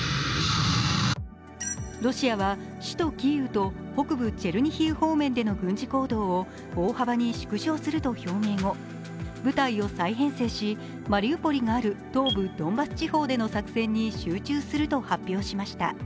ロシアは首都キーウと北部チェルニヒウ方面での軍事行動を大幅に縮小すると表明後、部隊を再編成し、マリウポリがある東部ドンバス地方での作戦に集中すると発表しました。